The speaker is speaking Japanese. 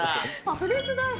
フルーツ大福？